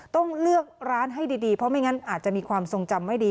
ต้องเลือกร้านให้ดีเพราะไม่งั้นอาจจะมีความทรงจำไม่ดี